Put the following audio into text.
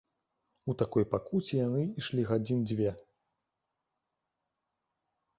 У такой пакуце яны ішлі гадзін дзве.